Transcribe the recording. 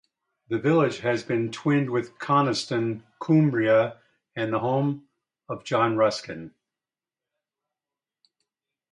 The village has been twinned with Coniston, Cumbria, the home of John Ruskin.